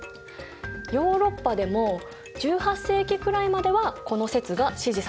ヨーロッパでも１８世紀くらいまではこの説が支持されていたんだ。